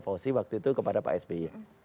fauzi waktu itu kepada pak sby